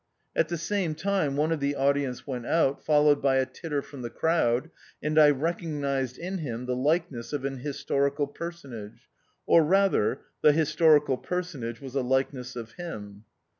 At the same time one of the audience went out, followed by a titter from the crowd, and I recognised in him the likeness of an his torical personage ; or rather, the historical personage was a likeness of him.